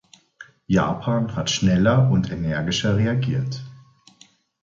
Japan hat schneller und energischer reagiert.